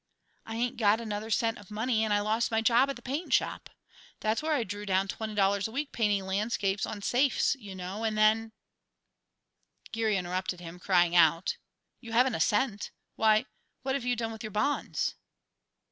I ain't got another cent of money and I lost my job at the paint shop. There's where I drew down twenty dollars a week painting landscapes on safes, you know, and then " Geary interrupted him, crying out, "You haven't a cent? Why, what have you done with your bonds?"